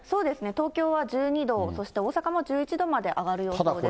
東京は１２度、そして大阪も１１度まで上がる予想です。